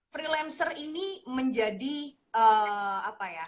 freelancer ini menjadi apa ya